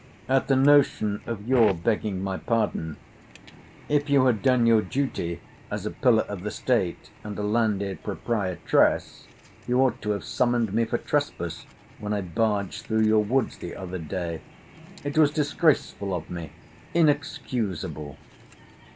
"At the notion of your begging my pardon. If you had done your duty as a pillar of the state and a landed proprietress you ought to have summoned me for trespass when I barged through your woods the other day. It was disgraceful of me—inexcusable."